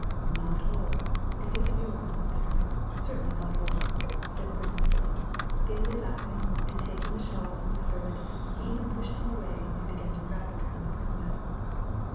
"Not all, because you are not there, certainly not all," said Prince Ippolit, gayly laughing, and taking the shawl from the servant, he even pushed him away and began to wrap it round the princess.